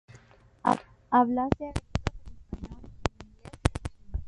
hablase a gritos el español, el inglés, el chino.